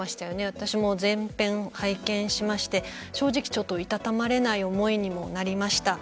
私も全編、拝見しまして正直、ちょっといたたまれない思いにもなりました。